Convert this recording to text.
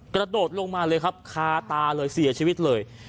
กระโดดลงมาเลยครับคาตาเลยเสียชีวิตเลย